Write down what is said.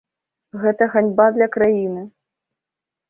Гэта ганьба для краіны.